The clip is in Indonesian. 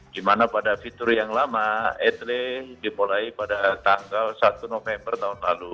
di mana pada fitur yang lama etle dimulai pada tanggal satu november tahun lalu